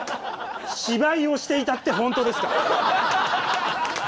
芝居をしていたって本当ですか？